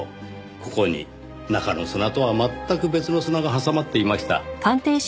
ここに中の砂とは全く別の砂が挟まっていました。